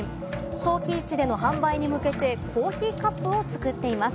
陶器市での販売に向けて、コーヒーカップを作っています。